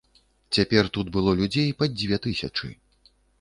Цяпер тут было людзей пад дзве тысячы.